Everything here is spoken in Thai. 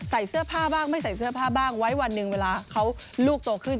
ใส่เสื้อผ้าบ้างไม่ใส่เสื้อผ้าบ้างไว้วันหนึ่งเวลาเขาลูกโตขึ้น